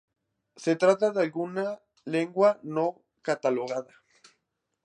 Se trata de una lengua no catalogada.